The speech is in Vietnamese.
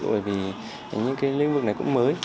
bởi vì những cái lĩnh vực này cũng mới